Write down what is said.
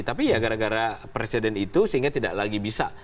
tapi ya gara gara presiden itu sehingga tidak lagi bisa